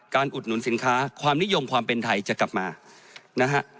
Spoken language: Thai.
อุดหนุนสินค้าความนิยมความเป็นไทยจะกลับมานะฮะ